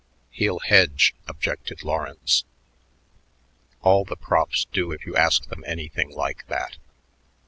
"He'll hedge," objected Lawrence. "All the profs do if you ask them anything like that."